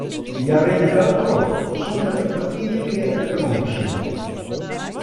Hja rinne gau troch, sonder ek mar ien kear efterom te sjen.